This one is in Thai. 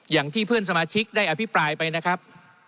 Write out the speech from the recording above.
อย่างที่เพื่อนสมาชิกได้อภิปรายไปนะครับ